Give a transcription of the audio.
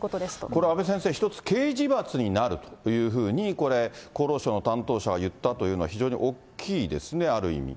これ、阿部先生、一つ刑事罰になるというふうにこれ、厚労省の担当者は言ったということは、非常に大きいですね、ある意味。